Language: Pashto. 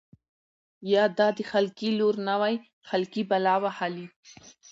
يا دا د خلقي لـور نه وای خـلقۍ بلا وهـلې.